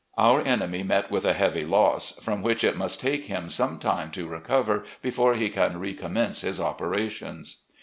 Our enemy met with a heavy loss, from which it must take him some time to recover, before he can recommence his operations.